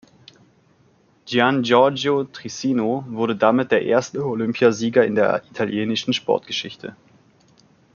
Gian Giorgio Trissino wurde damit der erste Olympiasieger in der italienischen Sportgeschichte.